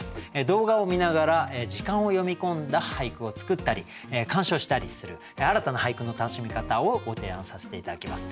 動画を観ながら時間を詠み込んだ俳句を作ったり鑑賞したりする新たな俳句の楽しみ方をご提案させて頂きます。